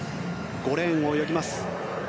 ５レーンを泳ぎます。